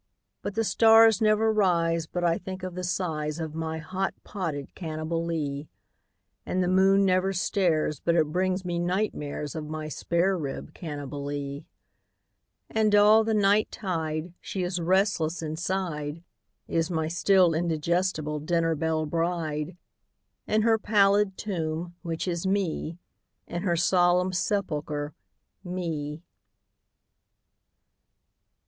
But the stars never rise but I think of the size Of my hot potted Cannibalee, And the moon never stares but it brings me night mares Of my spare rib Cannibalee; And all the night tide she is restless inside. Is n^y still indigestible dinner belle bride, In her pallid tomb, which is Me, In her solemn sepulcher, Me.